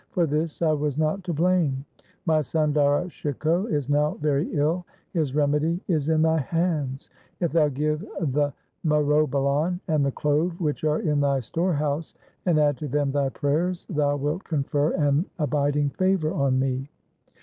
For this I was not to blame. My son Dara Shikoh is now very ill. His remedy is in thy hands. If thou give the myrobalan and the clove which are in thy store house, and add to them thy prayers, thou wilt confer an abiding favour on me.'